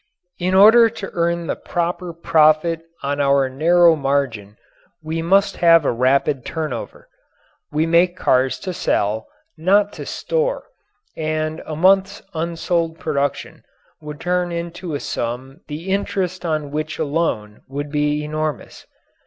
In order to earn the proper profit on our narrow margin we must have a rapid turnover. We make cars to sell, not to store, and a month's unsold production would turn into a sum the interest on which alone would be enormous.